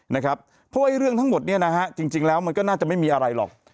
เพราะว่าเรื่องทั้งหมดเนี่ยนะฮะจริงแล้วมันก็น่าจะไม่มีอะไรหรอก